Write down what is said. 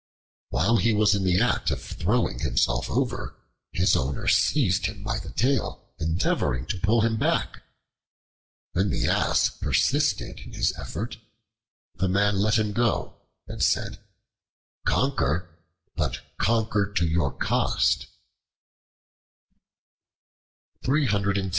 While he was in the act of throwing himself over, his owner seized him by the tail, endeavoring to pull him back. When the Ass persisted in his effort, the man let him go and said, "Conquer, but conquer to your cost."